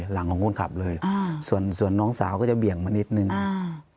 หลังของคนขับเลยอ่าส่วนส่วนน้องสาวก็จะเบี่ยงมานิดนึงอ่า